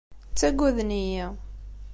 Ttagaden-iyi.